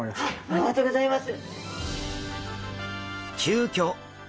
ありがとうございます。